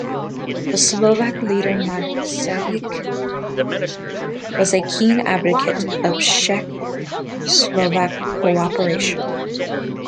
The Slovak leader Masaryk was a keen advocate of Czech-Slovak cooperation.